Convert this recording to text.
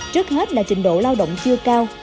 trước hết là trình độ lao động chưa cao